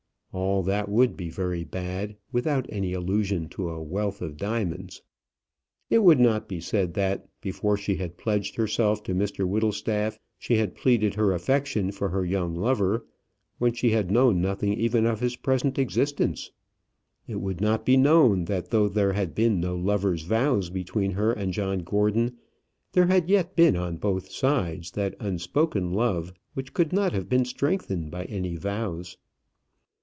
All that would be very bad, without any allusion to a wealth of diamonds. It would not be said that, before she had pledged herself to Mr Whittlestaff, she had pleaded her affection for her young lover, when she had known nothing even of his present existence. It would not be known that though there had been no lover's vows between her and John Gordon, there had yet been on both sides that unspoken love which could not have been strengthened by any vows.